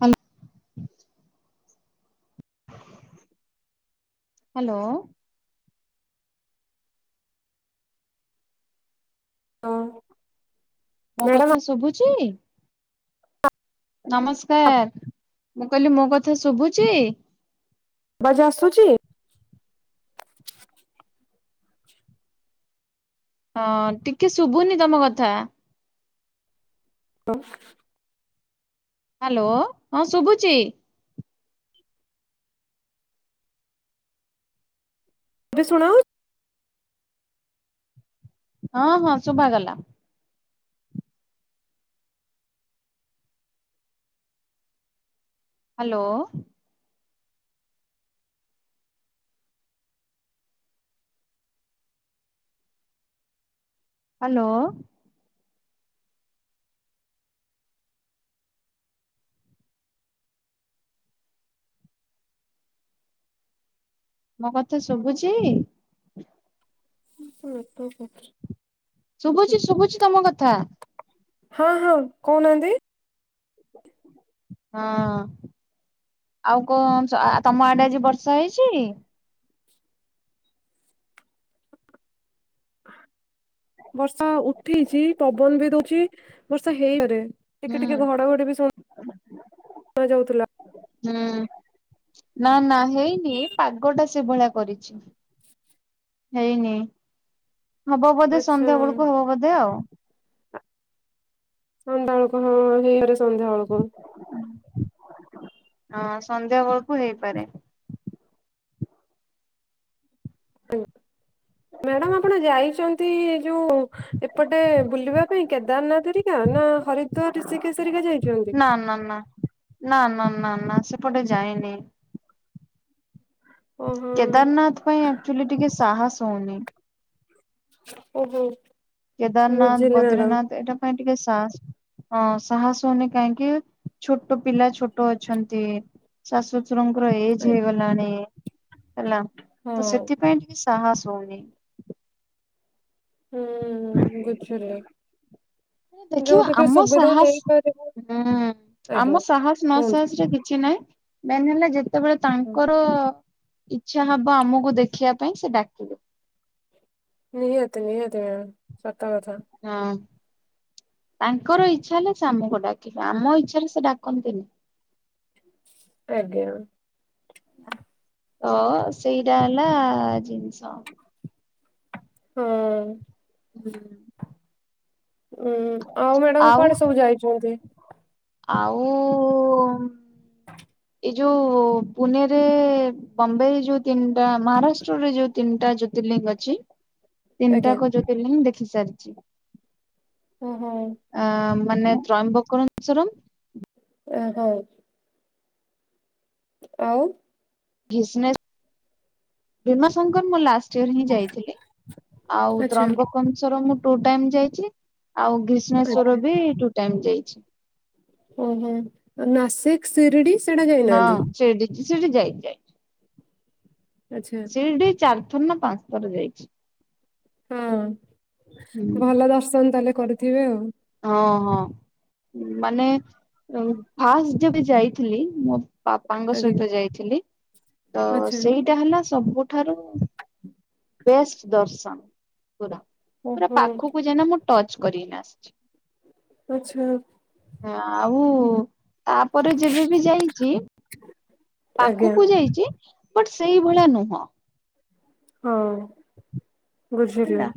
ହା ହ୍ୟାଲୋ। ହଁ। ମୋ ମ୍ୟାଡାମ କଥା ଶୁଭୁଛି। ନମସ୍କାର ମୁଁ କହିଲି ମୋ କଥା ଶୁଭୁଛି। ବାଜି ଆସୁଛି। ହଁ ଟିକେ ଶୁଭୁନି ତମ କଥା। ହାଲୋ। ହ୍ୟାଲୋ ହଁ ଶୁଭୁଛି। ଏବେ ଶୁଣ ହଁ ହଁ ଶୁଭାଗଲା। ହ୍ୟାଲୋ। ହ୍ୟାଲୋ। ମୋ କଥା ଶୁଭୁଛି। ହଁ [unintelligible] ଶୁଭୁଛି ଶୁଭୁଛି ତମ କଥା। ହଁ ହଁ କହୁନାହାନ୍ତି। ହଁ ଆଉ କଣ ତମ ଆଡେ ଆଜି ବର୍ଷା ହେଇଛି? ବର୍ଷା ଉଠେଇଛି ପବନ ବି ଦଉଛି ବର୍ଷା ହେଇପାରେ। ହୁଁ ଟିକେ ଟିକେ ଘଡଘଡି ବି ଶୁଭା ଯାଉଥିଲା। ହୁଁ ନା ନା ନାହିଁ ଏ ପାଗ ଟା ସେଇଭଳିଆ କରିଛି। ହେଇନି ହବ ବୋଧେ ଆଚ୍ଛା ସନ୍ଧ୍ୟା ବେଳକୁ ହବ ବୋଧେ ଆଉ ସନ୍ଧ୍ୟାବେଳକୁ ହଁ ହେଇପାରେ ସନ୍ଧ୍ୟା ବେଳକୁ। ହଁ ସନ୍ଧ୍ୟା ବେଳକୁ ହେଇପାରେ। ମ୍ୟାଡ଼ାମ ଆପଣ ଯାଇଛନ୍ତି ଯୋଉ ଏପଟେ ବୁଲିବା ପାଇଁ। କେଦାରନାଥ ହେରିକା ନା ହରିଦାର ଋଷିକେଶ ହେରିକା ଯାଇଛନ୍ତି। ନା ନା ନା ନା ନା ନା ନା ସେପଟେ ଯାଇନି। ଓହୋ କେଦାରନାଥ ପାଇଁ ଆକ୍ଚୁଆଲି ଟିକେ ସାହସ ହଉନି। ଓହୋ। କେଦାରନାଥ, ବୁଝିଲି ମ୍ୟାଡାମ। ବଦ୍ରିନାଥ ଏଇଟା ପାଇଁ ଟିକେ ସାସ୍ ହଁ। ସାହସ ହଉନି କାହିଁକି ଛୋଟ ପିଲା ଛୋଟ ଅଛନ୍ତି। ଶାଶୁ ଶଶୁରଙ୍କର ଏଜ୍ ହେଇଗଲାଣି ହେଲା। ତ ହଁ ସେଥି ପାଇଁ ଟିକେ ସାହସ ହଉନି। ହୁଁ। [unintelligible] ଦେଖିବ ଯୋଉଠିକି ଆମ ସୁବିଧା ସାହସ ହେଇପାରିବ [unintelligible] ଆଜ୍ଞା ଆମ ସାହସ ନ କୁହନ୍ତୁ ସାହସରେ କିଛି ନାହିଁ। ମେନ୍ ହେଲା ଯେତେବେଳେ ତାଙ୍କର ଇଚ୍ଛା ହବ ଆମକୁ ଦେଖିବା ପାଇଁ ସେ ଡାକିବେ। ନିହାତି ନିହାତି ମ୍ୟାମ୍ ସତ କଥା। ହଁ। ତାଙ୍କର ଇଚ୍ଛା ହେଲେ ସେ ଆମକୁ ଡାକିବେ। ଆମ ଇଚ୍ଛା ରେ ସେ ଡାକନ୍ତିନି। [unintelligible] ତ ସେଇଟା ହେଲା ଜିନିଷ। ହଁ। ହୁଁ। ଉଁ ଆଉ ମ୍ୟାଡାମ୍ କୁଆଡେ ସବୁ ଯାଇଛନ୍ତି? ଆଉ ଯାଉ ପୁନେରେ ବମ୍ବେରେ ଯୋଉ ତିନିଟା ମହାରାଷ୍ଟ୍ରରେ ଯୋଉ ତିନିଟା ଜ୍ୟୋତିର୍ଲିଙ୍ଗ ଅଛି ଆଜ୍ଞା ତିନିଟାଙ୍କ ଜ୍ୟୋତିର୍ଲିଙ୍ଗ ମୁଁ ଦେଖି ସାରିଚି। ଓ ହ। ଆ ମାନେ ତ୍ରୟମ୍ବକସ୍ଵରମ୍ [unintelligible] ଆଉ ଭିଶ୍ମେ ଭୀମା ଶଙ୍କର ମୁଁ ଲା ଷ୍ଟ ଇୟର ହିଁ ଯାଇଥିଲି। ଆଉ ଆଚ୍ଛା ତ୍ରୟମ୍ବକରସ୍ଵରମ୍ ମୁଁ ଟୁ ଟାଇମ୍ ଯାଇଚି। ଆଉ ଗ୍ରୀଷ୍ ଆଜ୍ଞା। ଭିଶ୍ମେଶ୍ୱର୍ ବି ଟୁ ଟାଇମ୍ ଯାଇଚି। ଓହୋ। ନାସିକ୍ ଶିରିଡି? ସେଇଟା ଯାଇନାହାନ୍ତି ନାଁ। [unintelligible] ଆଚ୍ଛା। ଶିରିଡ଼ି ଚାରିଥର ନା ପାଞ୍ଚ ଥର ଯାଇଚି। ହଁ। ହୁଁ। ଭଲ ଦର୍ଶନ ତାହେଲେ କରିଥିବେ ଆଉ। ହଁ ହଁ। ମାନେ ଫାଷ୍ଟ ଯେବେ ଯାଇଥିଲି ମୁଁ ପାପାଙ୍କ ଆଜ୍ଞା ସହିତ ଯାଇଥିଲି। ତ ଆଚ୍ଛା ସେଇଟା ହେଲା ସବୁଠାରୁ ବେଷ୍ଟ ଦର୍ଶନ ପୁରା। ପୁରା ଓହୋ ପାଖକୁ ଯାଇକିନା ମୁଁ ଟଚ୍ କରିକି ଆସିଚି। ଆଚ୍ଛା ଆଉ ହୁଁ, ତାପରେ ଯେବେ ବି ଯାଇଚି ଆଜ୍ଞା ପାଖକୁ ଯାଇଚି ବଟ୍ ସେଇଭଳିଆ ନୁହଁ। ହଁ। ବୁଝିଲି ହେଲା।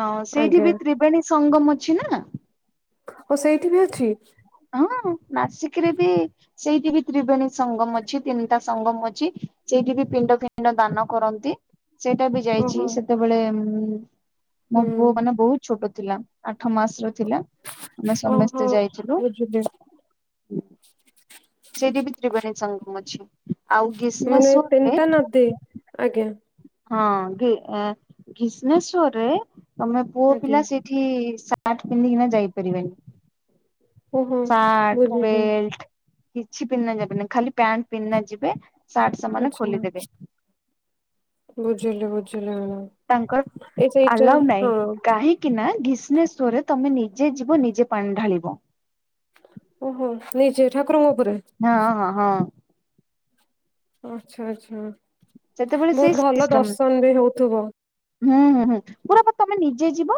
ହଁ ସେଇଠି ଆଜ୍ଞା ବି ତ୍ରିବେଣୀ ସଙ୍ଗମ ଅଛି ନା। ଓ ସେଇଠି ବି ଅଛି? ହଁ ନାସିକ୍ ରେ ବି ସେଇଠି ବି ତ୍ରିବେଣୀ ସଙ୍ଗମ ଅଛି, ତିନିଟା ସଙ୍ଗମ ଅଛି। ସେଇଠି ବି ପିଣ୍ଡ ଫିଣ୍ଡ ଦାନ କରନ୍ତି। ସେଇଟା ବି ଯାଇଚି ଓହୋ ସେତେବେଳେ। ମୋ ହୁଁ ପୁଅ ମାନେ ବହୁତ୍ ଛୋଟ ଥିଲା। ଆଠ ମାସର ଥିଲା। ଆମେ ଓହୋ ସମସ୍ତେ ଯାଇଥିଲୁ। ବୁଝିଲି [inaudible] ସେଇଠି ବି ତ୍ରିବେଣୀ ସଙ୍ଗମ ଅଛି। ଆଉ ମାନେ ଗ୍ରୀଷ୍ମେଶ୍ଵରରେ ତିନିଟା ନଦୀ ଆଜ୍ଞା। ହଁ ଗି ଗ୍ରୀଷ୍ଣେଶ୍ୱରରେ ତମେ ପୁଅ ଆଜ୍ଞା ପିଲା ସେଇି। ଏଠି ସାର୍ଟ ପିନ୍ଧିକିନା ଯାଇପାରିବେନି। ଓହୋ ସାର୍ଟ ବୁଝିଲି। ବେଲଟ କିଛି ପିଦ୍ଧିନା ଯିବେନି ଖାଲି ପ୍ୟାଣ୍ଟ ପିନ୍ଧନା ଯିବେ। ସାର୍ଟ ସେମାନେ ଆଚ୍ଛା ଖୋଲିଦେବେ। ବୁଝିଲି ବୁଝିଲି ତାଙ୍କର ଏ ସେଇଟା ହଁ। କି ନା ଗ୍ରୀଷ୍ମେଶ୍ଵରରେ ତମେ ନିଜେ ଯିବ ନିଜେ ପାଣି ଢାଳିବ। ଓହୋ ନିଜେ ଠାକୁରଙ୍କ ଉପରେ। ହଁ ହଁ ହଁ। ଆଚ୍ଛା ଆଚ୍ଛା ସେତେବେଳେ ସେଇ ବହୁତ୍ ଭଲ ସିଷ୍ଟମ ଦର୍ଶନ ବି ହଉଥିବ। ହୁଁ ହୁଁ ହୁଁ ପୁରାବା ତମେ ନିଜେ ଯିବ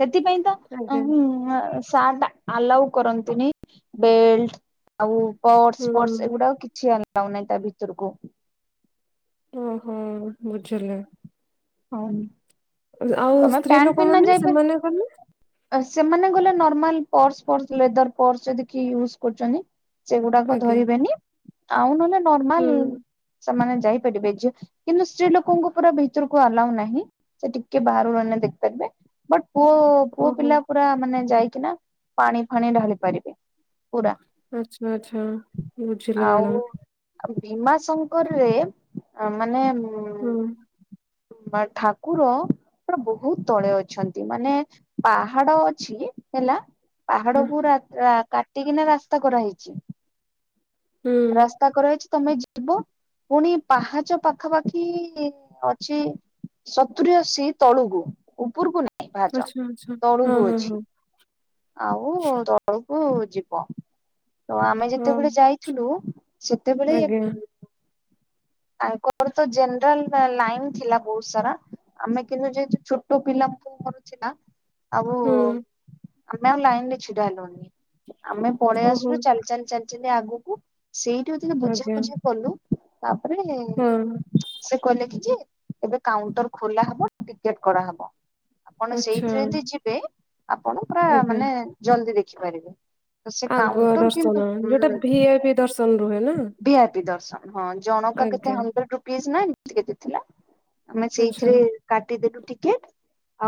ସେଥିପାଇଁ ତ ଆଜ୍ଞା ମୁଁ। ସାର୍ଟ ଆଲାଉ କରନ୍ତିନି ବେଲଟ। ଆଉ ହୁଁ। ପର୍ସଫର୍ଶଏଗୁଡା କିଛି ଆଲାଉ ନାହିଁ ତା ଭିତରକୁ। ଓହୋ ବୁଝିଲି। ହଉ। ଆଉ ସ୍ତ୍ରୀ ଲୋକମାନେ ଯାଇପାର ସେମାନେ ଗଲେ। ସେମାନେ ଗଲେ ନର୍ମାଲ ପର୍ସଫର୍ସ ଲେଦର୍ ପର୍ସ ଯଦି କିଏ ୟୁଜ୍ କରୁଛନ୍ତି। ସେଗୁଡାକ ଆଜ୍ଞା ଧରିବେନି ଆଉ ନହେଲେ ନର୍ମାଲ। ହୁଁ ସେମାନେ ଯାଇପାରିବେ ଯେ କିନ୍ତୁ ସ୍ତ୍ରୀ ଲୋକଙ୍କୁ ପୁରା ଭିତରକୁ ଆଲାଉ ନାହିଁ ସେ ଟିକେ ବାହାରୁହ ଦେଖିପାରିବେ ବଟ୍ ପୁଅ ଓହୋ ପିଲା। ପୁରା ମାନେ ଯାଇକି ନା ପାଣି ଫାଣି ଢାଳି ପାରିବେ। ପୁରା ଆଛା ଆଛା ବୁଝିଲି ମ୍ୟାଡାମ୍। ଭୀମା ଶଙ୍କରରେ ମାନେ ହୁଁ। ମା ଠାକୁର। ଆପଣ ବହୁତ୍ ତଳେ ଅଛନ୍ତି ମାନେ ପାହାଡ଼ ଅଛି ହେଲା। ପାହାଡ଼ କୁ କାଟିକିନା ରାସ୍ତା କରାହେଇଛି। ହୁଁ ରାସ୍ତା କରାହେଇଛି। ତମେ ଯିବ ପୁଣି ପାହାଚ ପାଖାପାଖି ଅଛି। ସତୁରୀ ଅଶି ତଳୁକୁୁ ଉପରକୁ ନାଇଁ ପାହାଚ ଆଚ୍ଛା ଆଚ୍ଛା ହଁ ତଳୁକୁୁ ହଁ ଅଛି। ହଁ। ଆଉ ତଳକୁ ଯିବ। ତ ଆମେ ହଁ ଯେତେବେଳେ ଯାଇଥିଲୁ ସେତେବେଳେ ଆଜ୍ଞା ଆଙ୍କ ଘରତ ଜେନେରାଲ୍ ଲାଇନ୍ ଥିଲା ବହୁତ ସାରା। ଆମେ କିନ୍ତୁ ଯେହେତୁ ଛୋଟ ପିଲା ପୁଅ ମରୁଛି ନା। ଆଉ ହୁଁ ଆମେ ଆଉ ଲାଇନ୍ ରେ ଛିଡା ହେଲୁନି ଆମେ ପଳେଇ ଓହୋ। ଆସିଲୁ ଚାଲି ଚାଲି ଚାଲି। ଯେମିତି ଆଗକୁ ସେଇଠି ଯଦି ଟିକେ ବୁଝା ଆଜ୍ଞା ବୁଝି କଲୁ ତାପରେ ହଁ। ସେ କହିଲେ କି ଯେ ଏବେ କାଉଣ୍ଟର ଖୋଲା ହବ ଟିକେଟ କରା ହବ। ଆପଣ ଆଚ୍ଛା ସେଇଥିରେ ଯଦି ଯିବେ ଆପଣ ପୁରା ଆଜ୍ଞା ମାନେ ଜଲଦି ଦେଖିପାରିବେ। ତ ସେ ଆଗୁଆ କାଉଣ୍ଟର କିନ୍ତୁ ଦର୍ଶନ ଯୋଉଟା ଉଁ ଭିଏ ବିି ଦର୍ଶନ ରୁହେ ନା। ଭିଆଇପି ଦର୍ଶନ ହଁ ଜଣକା କେତେ ଆଜ୍ଞା ହୁଣ୍ଡ୍ରେଡ ରୁପ୍ରୀଜ୍ ନା ଏମିତି କେତେ ଥିଲା। ଆମେ ଆଚ୍ଛା ସେଇଥିରେ କାଟିଦେଲୁ ଟିକେଟ୍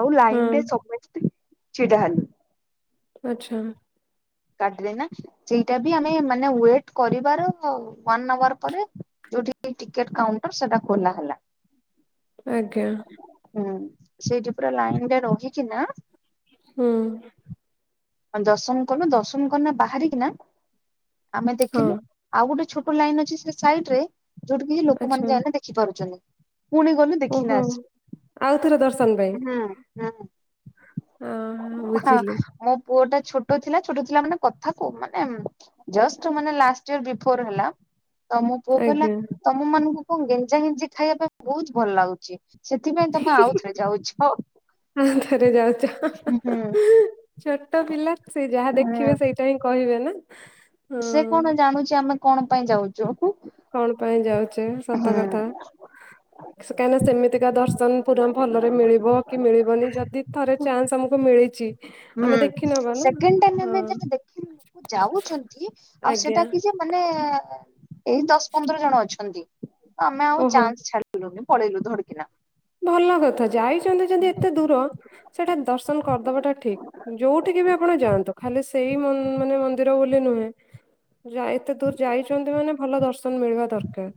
ଆଉ ହଁ ଲାଇନରେ ସମତେ ଥିଲୁ। ଛିଡ଼ା ହେଲୁ। ଆଚ୍ଛା। କାଢ଼ିଲେନି ନା ସେଇଟା ବି ଆମେ ମାନେ ୱିଟେ କରିବାର ଓନେ ଆଔର ପରେ। ଯୋଉଠି ଟିକେଟ କାଉଣ୍ଟର ସେଟା ଖୋଲା ହେଲା। ଆଜ୍ଞା। ହୁଁ ସେଇଠି ପୁରା ଲାଇନରେ ରହିକି ନା। ହୁ। ଦର୍ଶନ କଲୁ ଦର୍ଶନ କରିକି ନା ବାହାରିକିନା ଆମେ ହଁ ଦେଖିଲୁ। ଆଉ ଗୋଟେ ଛୋଟ ଲାଇନ୍ ଅଛି ସେ ସାଇଡରେ ଯୋଉଠି କି ଲୋକମାନେ ଆଚ୍ଛା ଯାଇନ ଦେଖିପାରୁଛନ୍ତି। ପୁଣି ଗଲୁ ଓହୋ ଦେଖିକିନା ଆଉଥରେ ଦର୍ଶନ ପାଇଁ ଆସିଲୁ। ହୁଁ। ହଁ ହ ବୁଝିଲି ମୋ ପୁଅ ଟା ଛୋଟ ଛୋଟ ଥିଲା ଛୋଟ ଥିଲା ମାନେ କଥାକୁ ମାନେ ଜଷ୍ଟ୍ ମାନେ ଲାଷ୍ଟ ଇଅର୍ ବିଫରେ ହେଲା। ତ ମୋ ପୁଅ କହିଲା ଆଜ୍ଞା ତମ ମାନଙ୍କୁ କଣ ଗେଞ୍ଜା ଗେଞ୍ଜି ଖାଇବା ପାଇଁ ବହୁତ ଭଲ ଲାଗୁଛି। ସେଥି ପାଇଁ ତମେ ଆଉଥରେ ଯାଉଛ। ଆଉଥରେ ଯାଉଛ ହୁଁ। ଛୋଟ ପିଲା ସେ ଯାହା ହୁଁ ଦେଖିବେ ସେଇଟା ହିଁ କହିବେ ନା? ସେ ହଁ କଣ ଜାଣୁଛି ଆମେ କଣ ପାଇଁ ଯାଉଛୁୁ? କଣ ପାଇଁ ଯାଉଛେ? ସତ କଥା। [unintelligible] କାହିଁକିନା ସେମିତିକା ଦର୍ଶନ ପୁରା ଭଲରେ ମିଳିବ କି ମିଳିବନି? ଯଦି ଥରେ ଚାନ୍ସ ଆମକୁ ମିଳିଛି। ହୁଁ ଆମେ ଦେଖିନବା ନା ସେକେଣ୍ଡ ଟାଇମ ହଁ ଦେଖିଲୁ ଆମେ ଦେଖିଲୁ ଯାଉଛନ୍ତି ଆଉ ଆଜ୍ଞା ସେଟା କି ଯେ ମାନେ ଏଇ ଦଶ ପନ୍ଦର ଜଣ ଅଛନ୍ତି। ଆମେ ଆଉ ଓହୋ ଚାନ୍ସ ଛାଡ ପଳେଇଲୁ ଧଡ଼କିନା। ଭଲ କଥା ଯାଇଛନ୍ତି ଯଦି ଏତେ ଦୂର ସେଟା ଦର୍ଶନ କରିଦବାଟା ଠିକ। ଯୋଉଠିକି ବି ଆପଣ ଯାଆନ୍ତୁ ଖାଲି ସେଇ ମାନେ ମନ୍ଦିର ବୋଲି ନୁହେଁ। ଯ ଏତେ ଦୂର ଯାଇଛନ୍ତି ମାନେ ଭଲ ଦର୍ଶନ ମିଳିବା ଦରକାର।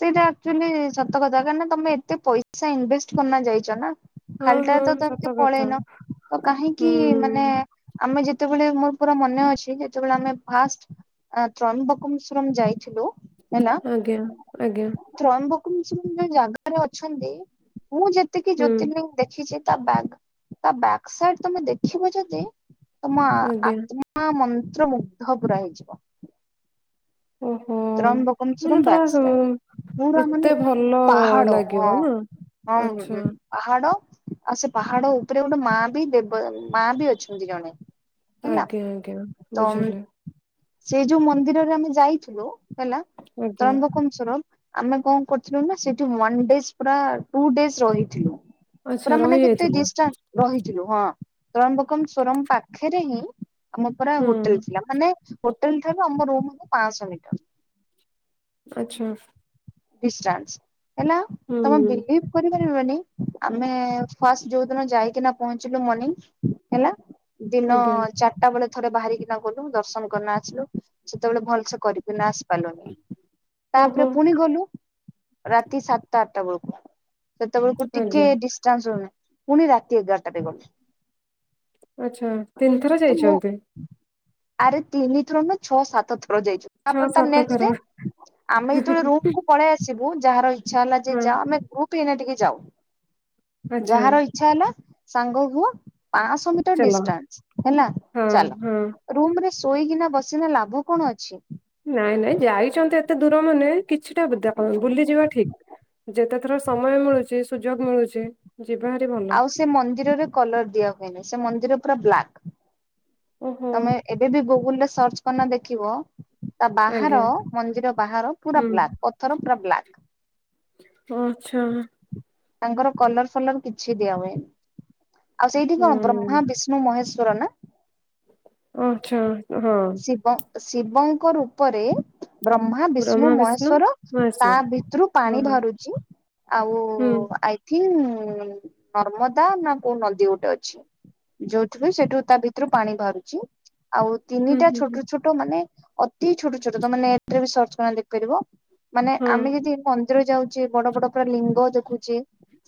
ସେଇଟା ଆକ୍ଚୁଆଲି ସତ କଥା କାହିଁକି ନା ତମେ ଏତେ ପଇସା ଇନଭେଷ୍ଟ କରିକିନା ଯାଇଛ ନା? ହଁ ଖାଲିଟା ହଁ ତ ସତ ଏମତି କଥା। ପଳେଇନ ତ କାହିଁକି ମାନେ? ହୁଁ ଆମେ ଯେତେବେଳେ ମୋର ପୁରା ମନେ ଅଛି ଯେତେବେଳେ ଆମେ ଫାଷ୍ଟ ଆ ତ୍ରମ୍ବକେଶରମ୍ ଯାଇଥିଲୁ ହେଲା। ଆଜ୍ଞା ଆଜ୍ଞା। ତ୍ରୟବ ଯୋଉ ଜାଗାରେ ଅଛନ୍ତି ମୁଁ ଯେତିକି ହୁଁ ଜ୍ୟୋତିଲିଂ ଦେଖିଛି ତା ତା ବ୍ୟାକ୍ ସାଇଡ ତମେ ଦେଖିବ ଯଦି ତମ ଆଜ୍ଞା। ଆ ମା ମନ୍ତ୍ର ମୁୁଗ୍ଧ ପୁରା ହେଇଯିବ। ଓହୋ [unintelligible] ମାନେ ସ ପୁରା ଏତେ ମାନେ ଭଲ ପାହାଡ଼ ହଁ ଲାଗିବ ନା। ହଁ ଆଚ୍ଛା ହଁ। ପାହାଡ ଆଉ ସେ ପାହାଡ ଉପରେ ଗୋଟେ ମା ବି ଦେବ ମା ବି ଅଛନ୍ତି ଜଣେ। ହେଲା ଆଜ୍ଞା ଆଜ୍ଞା ତ ବୁଝିଲି ସେ ଯୋଉ ମନ୍ଦିରରେ ଆମେ ଯାଇଥିଲୁ? ହେଲା ଆଜ୍ଞା ତ୍ରୟଂକମସର। ଆମେ କଣ କରୁଥିଲୁ ନା ସେଠି ୱାନ ଡେ ପୁରା ଟୁ ଡେଜ ରହିଥିଲୁ। ଆଚ୍ଛା ପୁରା ମାନେ କେତେ ରହିଯାଇଥିଲେ। ଜିଟା ରହିଥିଲୁ ହଁ ତରଣବକମ୍ ସଵରମ ପାଖରେ ହିଁ। ଆମ ପୁରା ହୁଁ ହୋଟେଲ ଥିଲା ମାନେ ହୋଟେଲ ଠାରୁ ଆମ ରୁମ ହବ ପାଞ୍ଚଶହ ମିଟର। ଆଚ୍ଛା। ଡିସଟାନସ ହେଲା ତମ ହୁଁ ବିଲିବ ପାରିବନି ଆମେ ଫାଷ୍ଟ ଯୋଉ ଦିନ ଯାଇକିନା ପହଞ୍ଚିଲୁ ମର୍ନିଙ୍ଗ। ହେଲା। ଦିନ ଆଜ୍ଞା ଚାରିଟା ବେଳେ ଥରେ ବାହାରିକିନା ଗଲୁ ଦର୍ଶନ କରିନା ଆସିଲୁ ସେତେବେଳେ ଭଲସେ କରୁ। ନା ଆସି ପାରିଲୁନି ଓହୋ ତାପରେ ପୁଣି ଗଲୁ। ରାତି ସାତଟା ଆଠଟା ବେଳକୁ ସେତା ବେଳକୁ ଟିକେ ଆଜ୍ଞା ଡିଷ୍ଟାନ୍ସ ରହୁନହି ପୁଣି ରାତି ଏଗାର [unintelligible] ଗଛା ଆଚ୍ଛା। ତିନି ଥର ତ ମୁଁ ଯାଇଛନ୍ତି ଆରେ ତିିନିଥର ନୁହଁ ଛଅ ସାତ ଥର ଯାଇଛୁ। ଛଅ ଆପଣ ଡା ସାତ ନେକ୍ସଟ ଥର ଡେ, ଆମେ ଯେତେବେଳେ ରୁମ୍ କୁ ପଳେଇ ଆସିବୁ, ଯାହାର ଇଚ୍ଛା ହେଲା ଯେ ହଁ ଯା ଆମେ ଗ୍ରୁପ ଏଇନା ଟିକେ ଯାଉ। ଆଚ୍ଛା ଯାହାର, ଛା ହେଲା, ସାଙ୍ଗ ହୁହ ପାଆଁଶହ ମିଟର ଚାଲ। ଡିଷ୍ଟାନ୍ସ ହେଲା ହଁ ଚାଲ। ହଁ ରୁମ ରେ ଶୋଇକିନା ବସିଲେ ଲାଭ କଣ ଅଛି? ନାଇଁ ନାଇଁ ଯାଇଛନ୍ତି ଏତେ ଦୂର ମାନେ କିଛିଟା [unintelligible] ବୁଲିଯିବା ଠିକ୍। ଯେତେଥର ସମୟ ମିଳୁଛି ସୁଯୋଗ ମିଳୁଛି ଯିବା ହେରି ଭଲ। ଆଉ ସେ ମନ୍ଦିରରେ କଲର ଦିଆ ହୁଏନି ସେ ମନ୍ଦିର ପୁରା ବ୍ଲାକ୍। ଓହୋ ତମେ ଏବେ ବି ଗୁଗୁଲ ରେ ସର୍ଚ୍ଚ କରନା ଦେଖିବ, ତା ବାହାର, ଆଜ୍ଞା। ମନ୍ଦିର ବାହାର ପୁରା ହୁଁ ବ୍ଲାକ୍ ପଥର ପୁର ବ୍ଲାକ୍। ହଁ ଆଛା। ତାଙ୍କର କଲର ଫଲର କିଛି ଦିଆ ହୁଏନି। ଆଉ ସେଇଠି କଣ ହୁଁ ବ୍ରହ୍ମା ବିଷ୍ଣୁ, ମୁ ମହେଶ୍ୱର ନା। ଆଛା ହଁ, ଶିବ ଶିବଙ୍କ ରୂପରେ, ବ୍ରହ୍ମା ବିଷ୍ଣୁ ମହେଶ୍ଵର ତା ଭିତରୁ ପାଣି ଓହୋ ଭାରୁଚି। ଆଉ ହୁଁ ଆଇଥିଁଙ୍କ ନର୍ମଦା ନା କୋଉ ନଦୀ ଗୋଟେ ଅଛି। ଯୋଉଠୁ ପାଇଁ ସେଇଠୁ ତା ଭିତରୁ ପାଣି ବାହାରୁଛି। ଆଉ, ହୁଁ ତିନିଟା ହୁଁ ହୁଁ ଛୋଟ ଛୋଟ ମାନେ ଅତି ଛୋଟ ଛୋଟ ତାମାନେ ଏଥିରେ ବି ସର୍ଚ୍ଚକର ଡେଖିପାରିବ। ମାନେ ହଁ ଆମେ ଯଦି ମନ୍ଦିର ଯାଉଛେ ବଡ ବଡ ପୁରା ଲିଙ୍ଗ ଦେଖୁଚେ।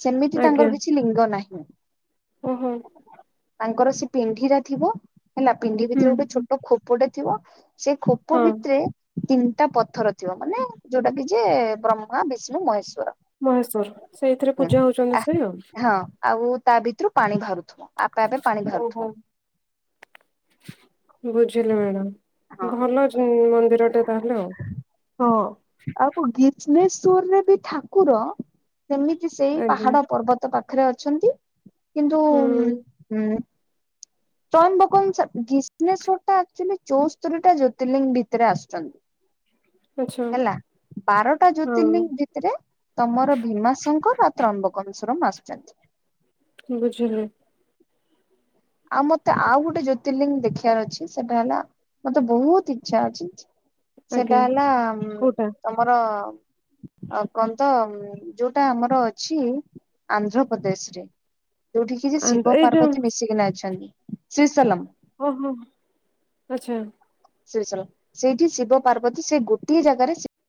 ସେମିତି ଆଜ୍ଞା ତାଙ୍କର କିଛି ଲିଙ୍ଗ ନାହିଁ। ଓହୋ, ତାଙ୍କର ସେ ପିଣ୍ଢି ଟା ଥିବ ହେଲା ପିଣ୍ଡିି ହୁଁ ଭିତରେ ଗୋଟେ ହୁଁ ଛୋଟ, ଖୋପ ଟେ ଥିବ ସେ ଖୋପ ହଁ ଭିତରେ, ତିନିଟା ପଥର ଥିବ, ମାନେ ଯୋଉଟା କି ଯେ ବ୍ରହ୍ମା ବିଷ୍ଣୁ ମହେଶ୍ଵର। ମହେଶ୍ଵର, ସେଇଥିରେ ହୁଁ ପୂଜା ହଉଛନ୍ତି ଆ ସେ ଆଉ। ହଁ ଆଉ ତା ଭିତରୁ ପାଣି ବାହାରୁଥିବ, ଆପେ ଆପେ ପାଣି ଓହୋ ବାହାରୁଥିବ। ବୁଝିଲେ ହଁ। ମ୍ୟାଡାାମ, ଭଲ ଜୁମ୍ମନ୍ଦିରଟେ ତାହେଲେ ଆଉ ହଁ ଆଉ ଗିଯମେଶ୍ଵର ରେ ବି ଠାକୁର, ସେମିତି ସେଇ ଆଜ୍ଞା ପାହାଡ ପର୍ବତ ପାଖରେ ଅଛନ୍ତି। କିନ୍ତୁ ହୁଁ ତ୍ରୟମ୍ ବକମ୍ ଗିଜମେଶ୍ଵର ଟା ଆକ୍ଚ୍ୟେଲି ଚଉସ୍ତରି ଟା ଜ୍ୟୋତିର୍ଲିଙ୍ଗ ଭିତରେ ଆସୁଛନ୍ତି। ଆଚ୍ଛା ହେଲା ବାରଟା ହଁ ଜ୍ୟୋତିର୍ଲିଙ୍ଗ ଭିତରେ, ତମର ଭୀମାଶଙ୍କର ଆ ତ୍ରମ୍ବକେଶ୍ୱରମ୍ ଆସିଛନ୍ତି। ବୁଝିଲି, ଆଉ ମତେ, ଆଉ ଗୋଟେ ଜ୍ୟୋତିର୍ଲିଙ୍ଗ ଦେଖିବାର ଅଛି। ସେଟା ହେଲା ମତେ ବହୁତ ଇଚ୍ଛା ଅଛି ସେଟା ଆଜ୍ଞା ହେଲା ଉ କୋଉଟା ତମର, ଆ କନ ତ, ଯୋଉଟା ଆମର ଅଛି ଆନ୍ଧ୍ରପ୍ରଦେଶ ରେ। ଯୋଉଠି କି ଯେ ଆନ୍ଦ- ଶିବ ଏଇ ଯୋଉ ପାର୍ବତୀ ମିଶିକିନା ଅଛନ୍ତି। ଶ୍ରୀସଲମ୍ ଓଁ ହଁ ଆଛା ଶ୍ରୀସଲମ। ସେଇଠି ଶିବ ପାର୍ବତୀ ସେ ଗୋଟିଏ ଜାଗାରେ,